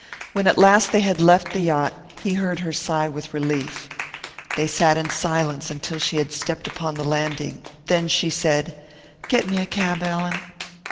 When at last they had left the yacht, he heard her sigh with relief. They sat in silence until she had stepped upon the landing. Then she said, "Get me a cab, Allan."